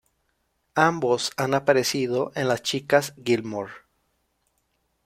Ambos han aparecido en "Las chicas Gilmore".